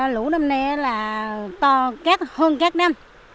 lũ năm nay là to két hơn các năm